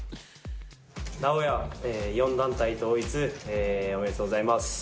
尚弥、４団体統一おめでとうございます。